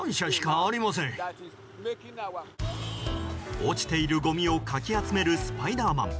落ちているごみをかき集めるスパイダーマン。